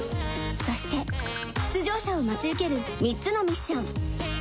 そして出場者を待ち受ける３つのミッション。